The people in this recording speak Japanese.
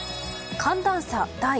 寒暖差大。